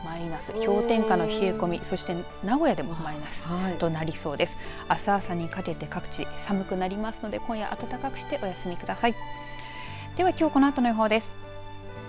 あす朝にかけて各地、寒くなりますので今夜暖かくしてお休みください。